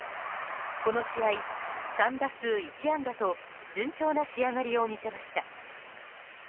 この試合、３打数１安打と順調な仕上がりを見せました。